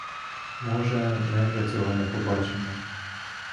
Може, ми вже цього не побачимо.